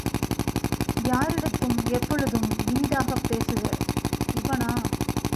யாரிடத்தும் எப்பொழுதும் இனிதாகப் பேசுக இவனா?